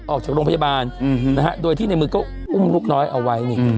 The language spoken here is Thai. ออกจากโรงพยาบาลโดยที่ในมือก็อุ้มลูกน้อยเอาไว้นี่